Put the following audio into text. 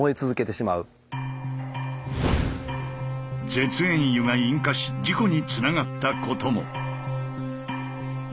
絶縁油が引火し事故につながったことも。